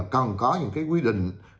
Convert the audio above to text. còn có những cái quy định